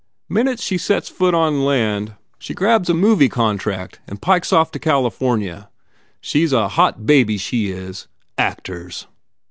Minute she sets foot on land she grabs a movie contract and pikes off to California. She s a hot baby, she is! Actors!"